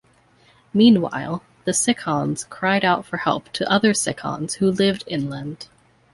Meanwhile the Cicons cried out for help to other Cicons who lived inland.